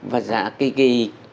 và giả kki